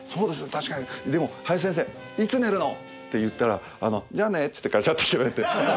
確かにでも林先生いつ寝るの？」って言ったら「じゃあね」つってガチャッて切られて。